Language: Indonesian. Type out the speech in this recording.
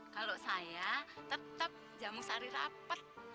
kalau saya tetap jamu sari rapat